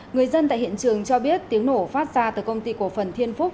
người dân tại hiện trường cho biết tiếng nổ phát ra từ công ty cổ phần thiên phúc